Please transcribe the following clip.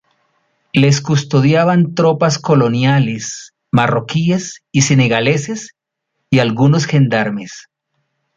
Les custodiaban tropas coloniales, marroquíes y senegaleses, y algunos gendarmes.